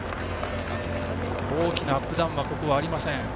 大きなアップダウンはここはありません。